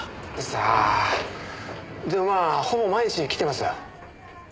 さあでもまあほぼ毎日来てます。